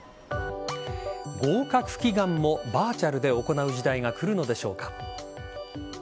合格祈願もバーチャルで行う時代が来るのでしょうか。